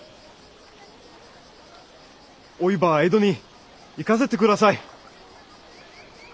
おいば江戸に行かせて下さい！